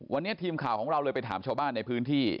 วันนี้ทีมข่าวของเราเลยไปถามชาวบ้านในพื้นที่